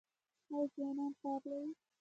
آیا ځوانان کار لري؟